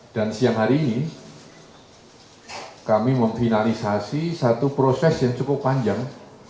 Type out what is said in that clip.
dan siang hari ini kami memfinalisasi satu proses yang cukup panjang